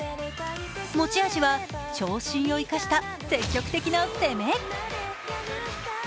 持ち味は、長身を生かした積極的な攻め。